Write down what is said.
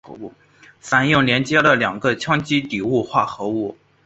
反应连接了两个羰基底物化合物。